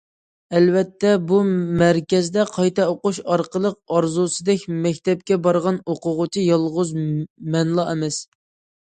ئەلۋەتتە، بۇ مەركەزدە قايتا ئوقۇش ئارقىلىق ئارزۇسىدەك مەكتەپكە بارغان ئوقۇغۇچى يالغۇز مەنلا ئەمەس.